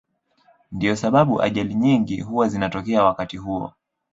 Ndiyo sababu ajali nyingi huwa zinatokea wakati huo.